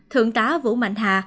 thượng tá vũ mạnh hà